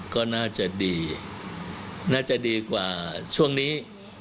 ก็น่าจะดีกว่าช่วงนี้